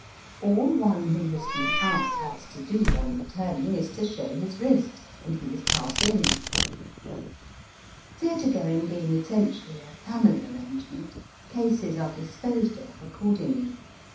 All one who has been out has to do on returning is to show his wrist, and he is passed in. Theatre going being essentially a family arrangement places are disposed of accord ingly.